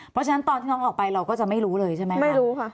เพราะฉะนั้นตอนที่น้องออกไปเราก็จะไม่รู้เลยใช่ไหมไม่รู้ค่ะ